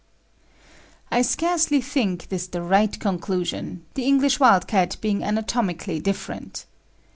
I scarcely think this the right conclusion, the English wild cat being anatomically different.